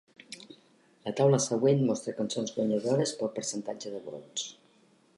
La taula següent mostra cançons guanyadores pel percentatge de vots.